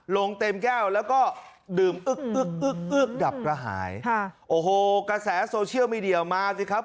ลงเต็มแก้วแล้วก็ดื่มดับละหายโอ้โหกระแสโซเชียลมีเดียมาสิครับ